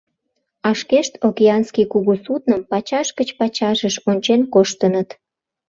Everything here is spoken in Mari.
А шкешт океанский кугу судным пачаш гыч пачашыш ончен коштыныт.